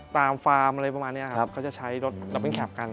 ฟาร์มอะไรประมาณนี้ครับเขาจะใช้รถเราเป็นแคปกัน